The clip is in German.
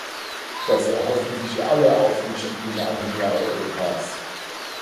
Das erhoffen sich alle aufrichtigen Anhänger Europas.